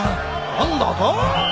何だと？